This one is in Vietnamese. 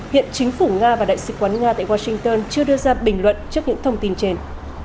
hiện chính phủ nga và đại sứ quán nga tại washington chưa đưa ra bình luận trước những thông tin trên